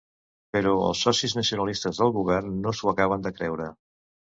Però els socis nacionalistes del govern no s’ho acaben de creure.